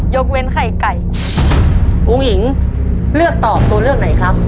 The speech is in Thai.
ยกเว้นไข่ไก่อุ้งอิ๋งเลือกตอบตัวเลือกไหนครับ